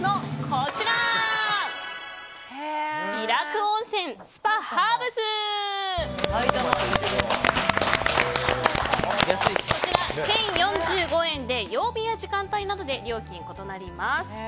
こちら１０４５円で曜日や時間帯などで料金、異なります。